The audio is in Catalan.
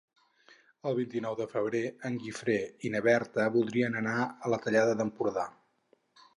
El vint-i-nou de febrer en Guifré i na Berta voldrien anar a la Tallada d'Empordà.